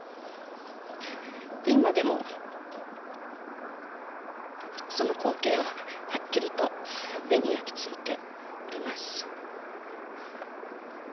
今でも、その光景ははっきりと目に焼き付いております。